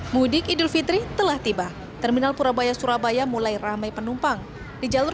mudik idul fitri telah tiba terminal purabaya surabaya mulai ramai penumpang di jalur